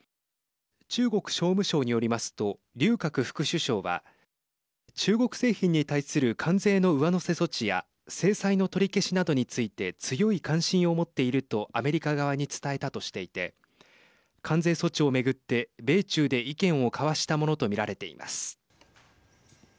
中国商務省によりますと劉鶴副首相は中国製品に対する関税の上乗せ措置や制裁の取り消しなどについて強い関心を持っているとアメリカ側に伝えたとしていて関税措置を巡って米中で意見を交わしたものと見られています。